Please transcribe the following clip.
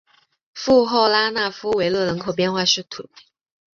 富后拉讷夫维勒人口变化图示